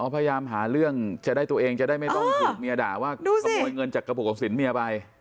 พยายามหาเรื่องจะได้ตัวเองจะได้ไม่ต้องถูกเมียด่าว่าขโมยเงินจากกระปุกกระสินเมียไป